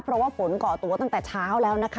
เพราะว่าฝนก่อตัวตั้งแต่เช้าแล้วนะคะ